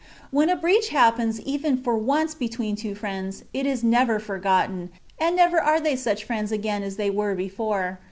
When a breach happens even /or OTice between two friends, it is never forgotten, and never are they such friends again as they were before.